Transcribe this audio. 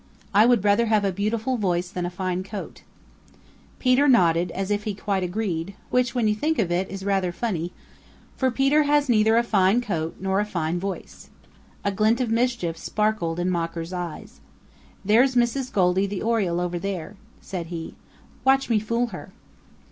I would rather have a beautiful voice than a fine coat." Peter nodded as if he quite agreed, which, when you think of it, is rather funny, for Peter has neither a fine coat nor a fine voice. A glint of mischief sparkled in Mocker's eyes. "There's Mrs. Goldy the Oriole over there," said he. "Watch me fool her."